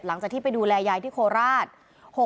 หลังจากที่ไปดูแลยายที่โคราช